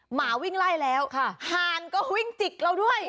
หมาวิ่งไล่แล้วหานก็วิ่งจิกเราด้วย